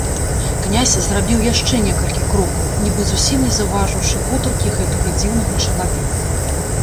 Князь зрабіў яшчэ некалькі крокаў, нібы зусім не заўважыўшы гутаркі гэтага дзіўнага чалавека.